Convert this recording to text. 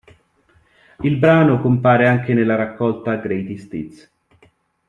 Il brano compare anche nella raccolta Greatest Hits.